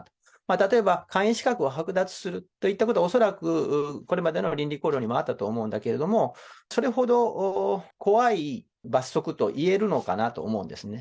例えば、会員資格を剥奪するといったこと、恐らくこれまでの倫理綱領にもあったと思うんだけれども、それほど怖い罰則といえるのかなと思うんですね。